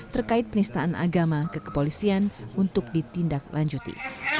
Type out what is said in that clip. terkait penistaan agama ke kepolisian untuk ditindak lanjuti